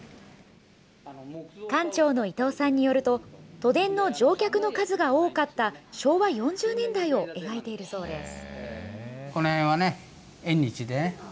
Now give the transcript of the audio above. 館長の伊藤さんによると、都電の乗客の数が多かった昭和４０年代を描いているそうです。